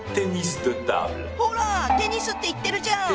ほらテニスって言ってるじゃん。